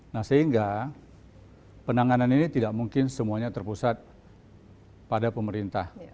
nah sehingga penanganan ini tidak mungkin semuanya terpusat pada pemerintah